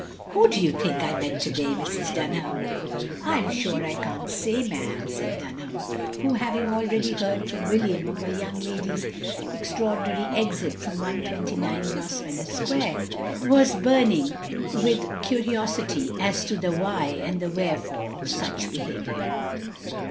"Who do you think I met to day, Mrs. Dtmham?" " I am sure I can't say, ma'am, " said Dunham, who, having already heard from William of her young lady's extraordinary exit from 129 Gros venor Square, was btuning with curiosity as to the why and the wherefore of such behavioiu*.